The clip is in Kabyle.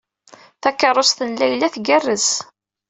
Takeṛṛust n Layla tgerrez.